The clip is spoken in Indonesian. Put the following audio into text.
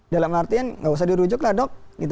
dalam artian nggak usah dirujuk lah dok